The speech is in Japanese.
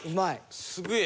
すげえ。